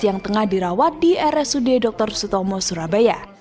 yang tengah dirawat di rsud dr sutomo surabaya